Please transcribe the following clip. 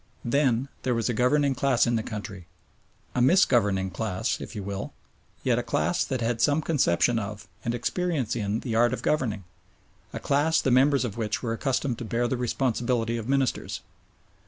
Then there was a governing class in the country a "misgoverning" class, if you will, yet a class that had some conception of, and experience in the art of governing; a class the members of which were accustomed to bear the responsibility of Ministers.